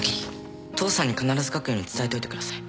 父さんに必ず書くように伝えといてください